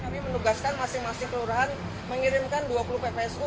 mereka masing masing kelurahan mengirimkan dua puluh ppsu